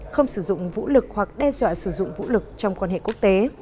không sử dụng vũ lực hoặc đe dọa sử dụng vũ lực trong quan hệ quốc tế